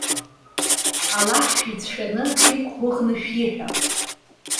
Аллаҳ шәицәшәаны, шәиқәгәыӷны шәиҳәа.